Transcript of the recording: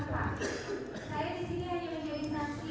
saya di sini hanya menjadi saksi